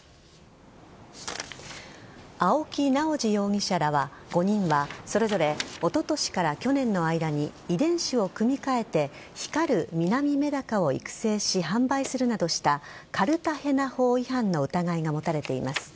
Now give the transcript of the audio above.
青木直樹容疑者ら５人はそれぞれ、おととしから去年の間に遺伝子を組み替えてミナミメダカを育成し販売するなどしたカルタヘナ法違反の疑いが持たれています。